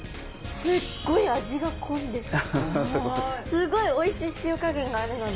すごいおいしい塩加減があるので。